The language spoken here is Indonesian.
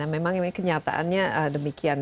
memang kenyataannya demikian